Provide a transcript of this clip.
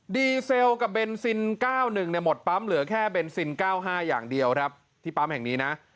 ดีเซลกับเบนซิน๙๑หมดปั๊มเหลือแค่เบนซิน๙๕อย่างเดียวครับที่ปั๊มแห่งนี้นะ